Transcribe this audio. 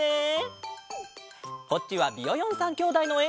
こっちはビヨヨン３きょうだいのえ！